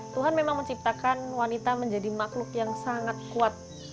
tuhan memang menciptakan wanita menjadi makhluk yang sangat kuat